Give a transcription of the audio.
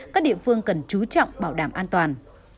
các địa phương cần chú trọng bảo đảm an toàn